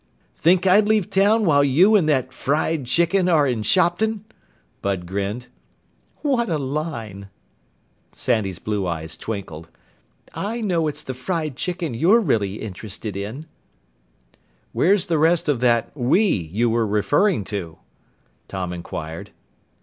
"Think I'd leave town while you and that fried chicken are in Shopton?" Bud grinned. "What a line!" Sandy's blue eyes twinkled. "I know it's the fried chicken you're really interested in." "Where's the rest of that 'we' you were referring to?" Tom inquired.